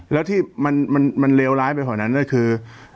แล้วที่มันเลวร้ายไปกว่านั้นก็คือ